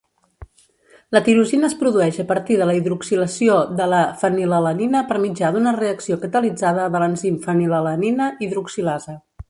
La tirosina es produeix a partir de la hidroxilació de la fenilalanina per mitjà d'una reacció catalitzada de l'enzim fenilalanina hidroxilasa.